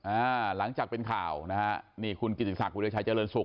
อ่าหลังจากเป็นข่าวนะฮะนี่คุณกิติศักดิชัยเจริญสุข